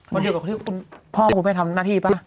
เกี่ยวกับที่พ่อคุณไปทำหน้าที่ป่ะ